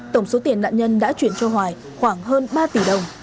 tổng số tiền nạn nhân đã chuyển cho hoài khoảng hơn ba tỷ đồng